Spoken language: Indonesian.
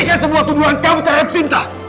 hentikan semua tuduhan kamu terhadap sinta